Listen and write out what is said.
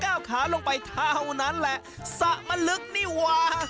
ขาลงไปเท่านั้นแหละสระมะลึกนี่ว่า